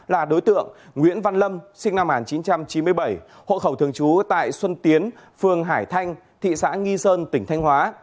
là đối tượng nguyễn văn lâm sinh năm một nghìn chín trăm chín mươi bảy hộ khẩu thường trú tại xuân tiến phường hải thanh thị xã nghi sơn tỉnh thanh hóa